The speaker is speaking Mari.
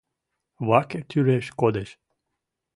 Ваке тӱреш кодеш.